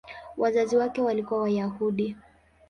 Wazazi wake walikuwa Wayahudi.